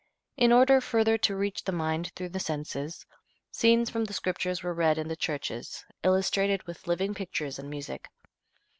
In order further to reach the mind through the senses, scenes from the Scriptures were read in the churches, illustrated with living pictures and music.